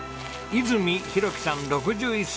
泉浩樹さん６１歳。